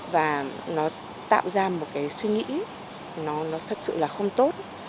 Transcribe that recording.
và nó tạo ra một cái suy nghĩ nó thật sự là không tốt